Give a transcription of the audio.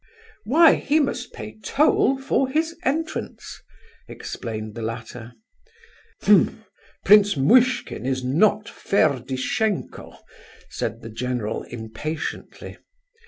"Why, he must pay toll for his entrance," explained the latter. "H'm! Prince Muishkin is not Ferdishenko," said the general, impatiently.